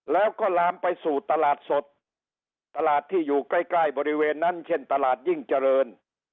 แล้วก็ลามไปสู่ตลาดสดตลาดที่อยู่ใกล้ใกล้บริเวณนั้นเช่นตลาดยิ่งเจริญ